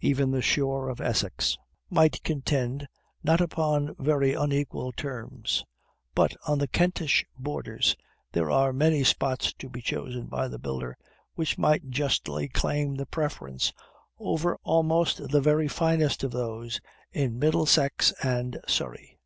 even the shore of Essex might contend, not upon very unequal terms; but on the Kentish borders there are many spots to be chosen by the builder which might justly claim the preference over almost the very finest of those in Middlesex and Surrey.